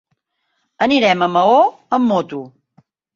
Anirem a Maó amb moto.